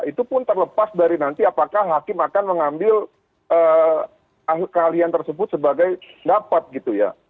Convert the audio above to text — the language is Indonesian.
itu pun terlepas dari nanti apakah hakim akan mengambil keahlian tersebut sebagai dapat gitu ya